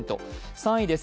３位です。